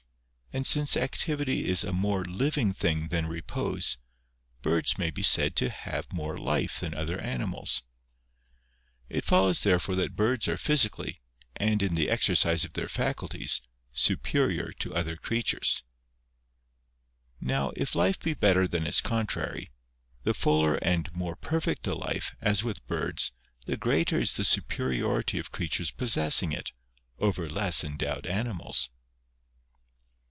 And since activity is a more living thing than repose, birds may be said to have more life than other animals. It follows therefore that birds are physi cally, and in the exercise of their faculties, superior to other creatures. ISO PANEGYRIC OF BIRDS. Now, if life be better than its contrary, the fuller and more perfect the life, as with birds, the greater is the superiority of creatures possessing it, over less endowed animals.